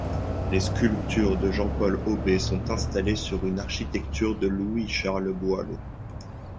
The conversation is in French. Les sculptures de Jean-Paul Aubé sont installées sur une architecture de Louis-Charles Boileau.